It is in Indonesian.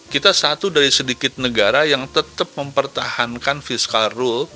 kita satu dari sedikit negara yang tetap mempertahankan fiskal role